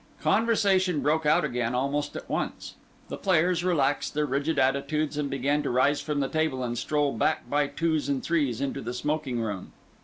Conversation broke out again almost at once. The players relaxed their rigid attitudes, and began to rise from the table and stroll back by twos and threes into the smoking room.